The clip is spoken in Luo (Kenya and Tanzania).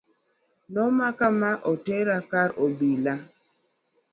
nomake ma otere kar obila